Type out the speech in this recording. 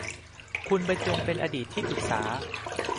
คุณบรรยงเป็นอดีตที่ปรึกษา